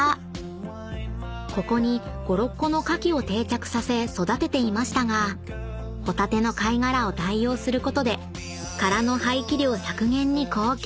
［ここに５６個の牡蠣を定着させ育てていましたがホタテの貝殻を代用することで殻の廃棄量削減に貢献］